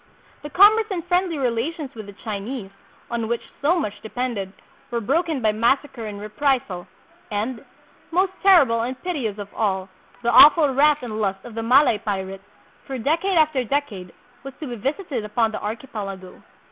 The ^commerce and friendly relations with the Chinese, on which so much depended, were broken by massacre and reprisal; and, most terrible and piteous of all, the awful wrath and lust of the Malay pirate, for decade after de cade, was to be visited upon the archipelago.